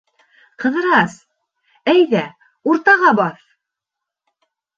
— Ҡыҙырас, әйҙә, уртаға баҫ!